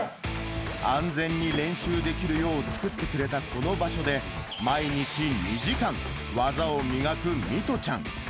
安全に練習できるよう作ってくれたこの場所で、毎日２時間、技を磨く弥都ちゃん。